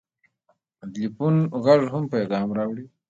د ټېلفون غږ هم پیغام راوړي.